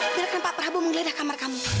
biar kenapa pak prabu menggeledah kamar kamu